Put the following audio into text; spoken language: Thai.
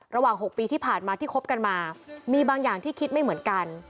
ระหว่าง๖ปีที่ผ่านมาที่คบกันมามีบางอย่างที่คิดไม่เหมือนกัน